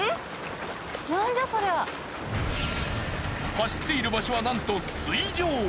走っている場所はなんと水上！